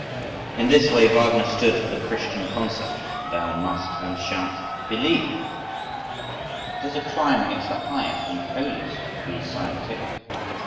In this way Wagner stood for the Christian concept, "Thou must and shalt believe". It is a crime against the highest and the holiest to be scientific.